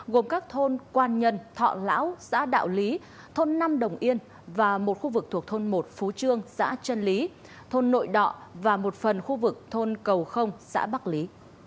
gồm các thôn quan nhân thọ lão xã đạo lý thôn năm đồng yên và một khu vực thuộc thôn một phú trương xã trân lý thôn nội đọ và một phần khu vực thôn cầu không xã bắc lý